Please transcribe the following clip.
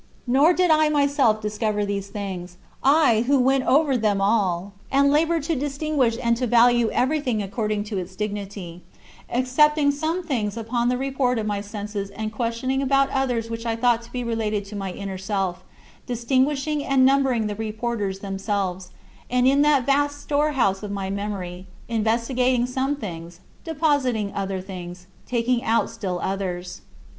Nor did I myself discover these things I who went over them all and labored to distinguish and to value everything according to its dignity, accepting some things upon the report of my senses and questioning about others which I thought to be related to my inner self, distinguishing and numbering the reporters themselves; and in that vast storehouse of my memory, investigating some things, depositing other things, taking out still others.